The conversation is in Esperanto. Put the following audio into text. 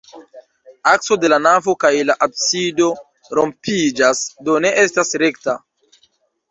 Akso de la navo kaj la absido rompiĝas, do ne estas rekta.